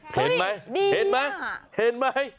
เห้ยเห็นไหม